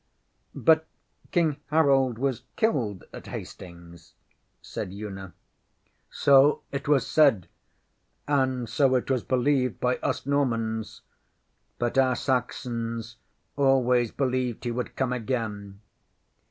ŌĆÖ ŌĆśBut King Harold was killed at Hastings, ŌĆÖ said Una. ŌĆśSo it was said, and so it was believed by us Normans, but our Saxons always believed he would come again.